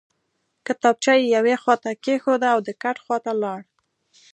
کتابچه یې یوې خواته کېښوده او د کټ خواته لاړ